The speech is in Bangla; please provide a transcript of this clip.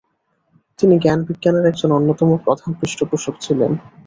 তিনি জ্ঞান-বিজ্ঞানের একজন অন্যতম প্রধান পৃষ্ঠপোষক ছিলেন।